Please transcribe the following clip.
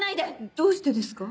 どうしてですか？